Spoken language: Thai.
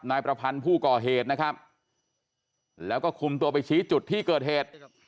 นายประพันธ์ผู้ก่อเหตุนะครับแล้วก็คุมตัวไปชี้จุดที่เกิดเหตุ